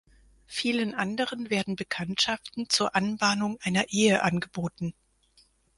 Vielen anderen werden Bekanntschaften zur Anbahnung einer Ehe angeboten.